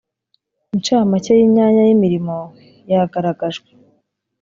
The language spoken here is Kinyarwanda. incamake y ‘imyanya y’ imirimo yagaragajwe.